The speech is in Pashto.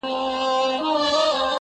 ډېري مو وکړې د تاریخ او د ننګونو کیسې,